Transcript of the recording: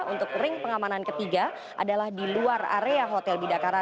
untuk ring pengamanan ketiga adalah di luar area hotel bidakara